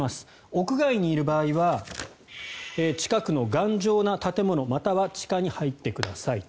屋外にいる場合は近くの頑丈な建物または地下に入ってください。